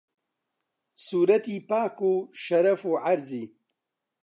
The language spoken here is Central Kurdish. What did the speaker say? سوورەتی پاک و شەرەف و عەرزی